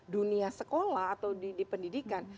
dunia sekolah atau di pendidikan